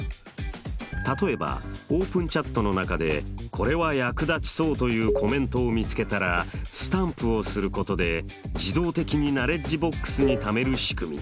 例えばオープンチャットの中で「これは役立ちそう！」というコメントを見つけたらスタンプをすることで自動的にナレッジボックスにためるしくみ。